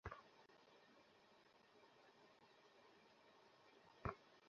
আমার জন্য কোন বার্তা আছে?